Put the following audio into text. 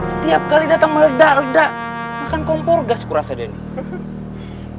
setiap kali dateng meledak ledak makan kompor gas kurasa denny